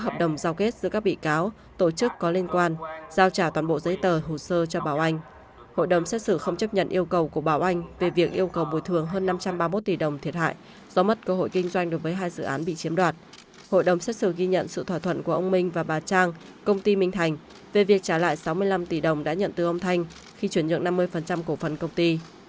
hội đồng xét xử ghi nhận sự thỏa thuận của ông minh và bà trang công ty minh thành về việc trả lại sáu mươi năm tỷ đồng đã nhận từ ông thanh khi chuyển nhượng năm mươi của phần công ty